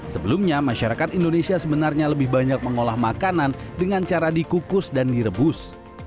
sebelumnya masyarakat indonesia sebenarnya lebih banyak mengolah makanan dengan cara dikukus dan direbus